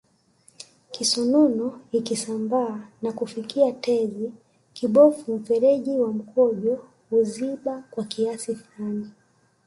Kisonono ikisambaa na kufikia tezi kibofu mfereji wa mkojo huziba kwa kiasi fulani